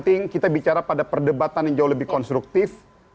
kita bisa berbicara pada perdebatan yang jauh lebih konstruktif